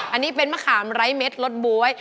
อันนี้เป็นมะขามไร้เม็ดรสบ๊วย